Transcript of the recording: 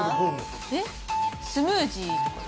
えっスムージーとか？